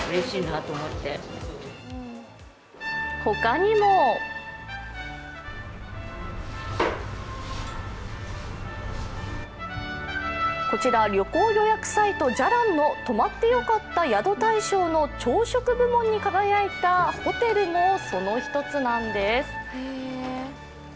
他にもこちら旅行予約サイト、じゃらんの泊まって良かった宿・大賞の朝食部門に輝いた、ホテルもその一つなんです。